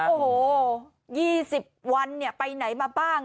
โอ้โห๒๐วันไปไหนมาบ้าง